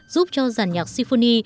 giúp cho dàn nhạc symphony